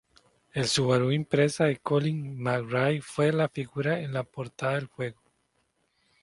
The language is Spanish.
El Subaru Impreza de Colín McRae fue la figura en la portada del juego.